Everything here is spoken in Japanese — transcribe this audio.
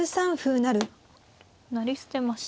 成り捨てましたね。